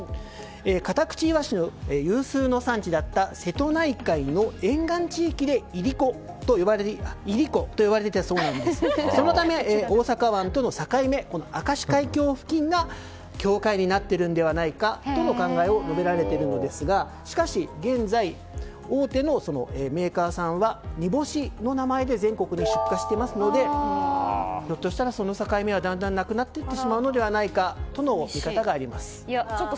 カタクチイワシの有数の産地だった瀬戸内海の沿岸地域で、いりこと呼ばれていたそうなんですがそのため、大阪湾との境目明石海峡付近が境界になっているのではとの考えを述べられているのですがしかし、現在大手のメーカーさんは煮干しの名前で全国で出荷していますのでひょっとしたら、その境目はだんだんなくなってしまうのではとの見方があります。